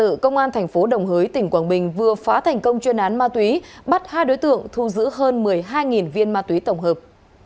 công an thành phố đồng hới tỉnh quảng bình vừa phá thành công chuyên án ma túy bắt hai đối tượng thu giữ hơn một mươi hai viên ma túy tổng hợp